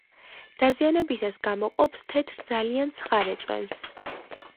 დაზიანებისას გამოყოფს თეთრ, ძალიან ცხარე წვენს.